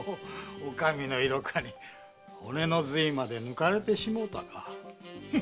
女将の色香に骨の髄まで抜かれてしもうたか。